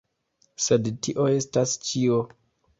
Sed tio estas ĉio.